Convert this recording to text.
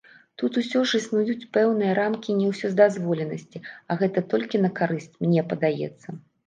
Тут усё ж існуюць пэўныя рамкі неўсёдазволенасці, а гэта толькі на карысць, мне падаецца.